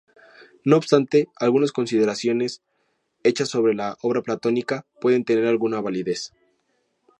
No obstante algunas consideraciones hechas sobre la obra platónica pueden tener alguna validez.